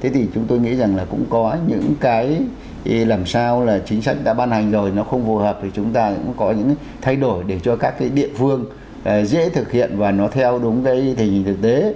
thế thì chúng tôi nghĩ rằng là cũng có những cái làm sao là chính sách đã ban hành rồi nó không phù hợp thì chúng ta cũng có những thay đổi để cho các cái địa phương dễ thực hiện và nó theo đúng cái tình hình thực tế